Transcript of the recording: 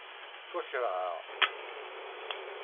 Ttwakeṛheɣ.